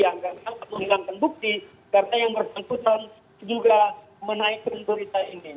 dianggap menghilangkan bukti karena yang bersangkutan juga menaikkan berita ini